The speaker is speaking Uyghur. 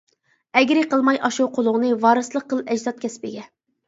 ئەگرى قىلماي ئاشۇ قولۇڭنى، ۋارىسلىق قىل ئەجداد كەسپىگە.